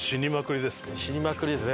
死にまくりです。